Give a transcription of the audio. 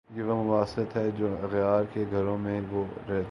یہ وہ مباحث ہیں جو اغیار کے گھروں میں ہو رہے ہیں؟